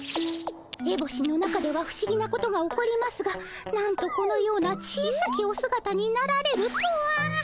エボシの中では不思議なことが起こりますがなんとこのような小さきおすがたになられるとは。